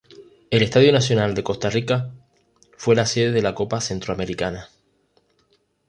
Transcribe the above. El Estadio Nacional de Costa Rica fue la sede de la Copa Centroamericana.